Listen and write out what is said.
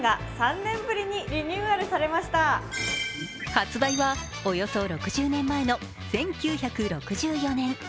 発売はおよそ６０年前の１９６４年。